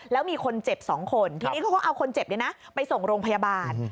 แล้วมีคนเจ็บ๒คนทีนี้เขาก็เอาคนเจ็บไปส่งโรงพยาบาล